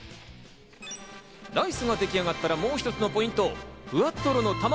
ライスが出来上がったら、もう一つのポイント、ふわとろの卵。